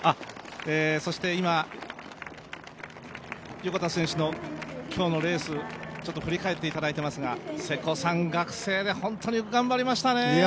そして今、横田選手の今日のレース振り返っていただいていますが瀬古さん学生で本当によく頑張りましたね。